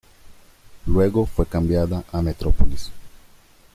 Luego fue cambiada a Metropolis.